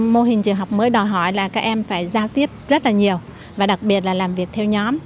mô hình trường học mới đòi hỏi là các em phải giao tiếp rất là nhiều và đặc biệt là làm việc theo nhóm